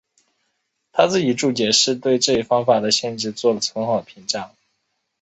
他自己注解是对这一方法的限制做了很好的评价。